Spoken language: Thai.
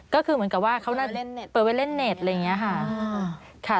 ก็คือเหมือนกับว่าเขาเปิดไว้เล่นเน็ตอะไรอย่างนี้ค่ะ